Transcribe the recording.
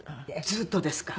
ずっとですか？